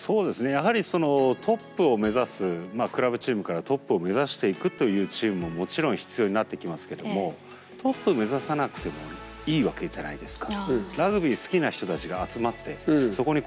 やはりトップを目指すクラブチームからトップを目指していくというチームももちろん必要になってきますけどもトップ目指さなくてもいいわけじゃないですか。